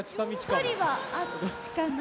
パリはあっちかな？